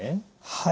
はい。